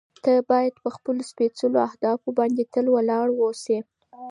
ته باید په خپلو سپېڅلو اهدافو باندې تل ولاړ واوسې.